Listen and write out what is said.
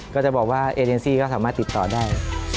ก็จะบอกว่าเอเจนซี่ก็สามารถติดต่อได้